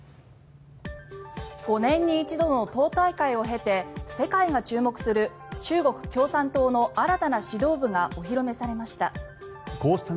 ５年に一度の党大会を経て世界が注目する中国共産党の新たな指導部がお披露目されました。